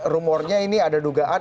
rumornya ini ada dugaan